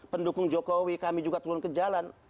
pendukung jokowi kami juga turun ke jalan